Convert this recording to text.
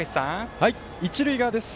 一塁側です。